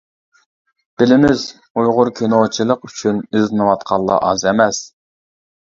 بىلىمىز، ئۇيغۇر كىنوچىلىق ئۈچۈن ئىزدىنىۋاتقانلار ئاز ئەمەس.